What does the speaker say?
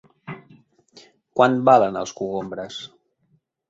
Quant valen els cogombres?